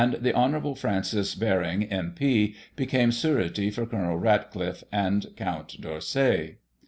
125 the Hon. Francis Baring, M.P., became surety for Col. RatclifFe and Count D'Orsay.